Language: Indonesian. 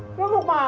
gak ada apa apa